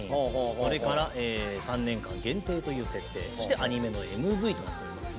それから「３年間限定」という設定そして「アニメのＭＶ」ということですね。